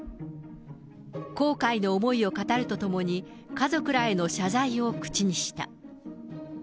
後悔の思いを語るとともに、家族らへの謝罪を口にした。